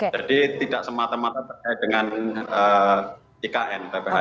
jadi tidak semata mata berkaitan dengan ikn